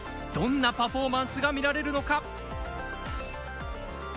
どんなパフォーマンスが見られるのか。